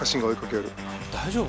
大丈夫？